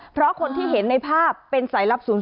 เพราะคนที่เห็นในภาพเป็นสายลับ๐๔